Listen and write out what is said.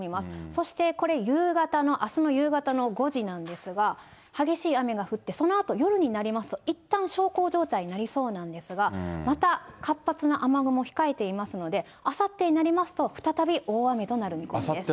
そしてこれ、夕方の、あすの夕方の５時なんですが、激しい雨が降って、そのあと夜になりますと、いったん小康状態になりそうなんですが、また活発な雨雲、控えていますので、あさってになりますと、再び大雨となる見込みです。